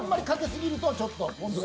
かけすぎるとちょっと。